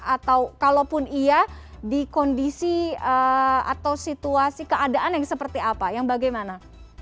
atau kalaupun iya di kondisi atau situasi keadaan yang seperti apa yang bagaimana